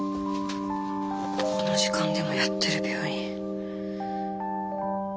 この時間でもやってる病院。